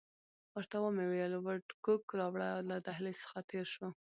ورته ومې ویل وډکوک راوړه، له دهلیز څخه تېر شوو.